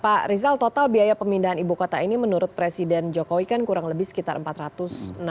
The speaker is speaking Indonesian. pak rizal total biaya pemindahan ibu kota ini menurut presiden jokowi kan kurang lebih sekitar rp empat ratus